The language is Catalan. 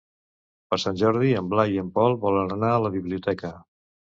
Per Sant Jordi en Blai i en Pol volen anar a la biblioteca.